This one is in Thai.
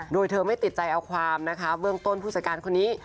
โดยเธอไม่ติดใจเอาความนะคะเบื้องต้นผู้จัดการคนนี้